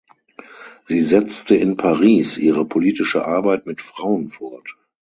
Sie setzte in Paris ihre politische Arbeit mit Frauen fort.